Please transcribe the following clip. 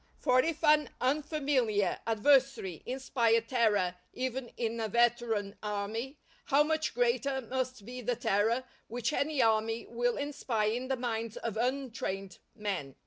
For if an unfamiliar adversary inspire terror even in a veteran army, how much greater must be the terror which any army will inspire in the minds of untrained men.